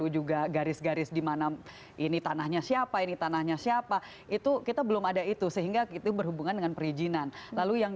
jidah saya ingin menajamkan